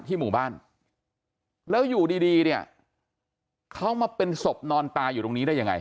หมู่บ้านแล้วอยู่ดีเนี่ยเขามาเป็นศพนอนตายอยู่ตรงนี้ได้ยังไง